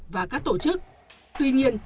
và các tổ chức tuy nhiên